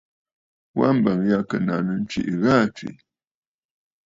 Wa mbəŋ yâ ɨ̀ kɨ nàŋsə ntwìʼi gha aa tswìʼì.